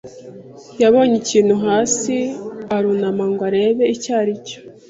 yabonye ikintu hasi arunama ngo arebe icyo aricyo.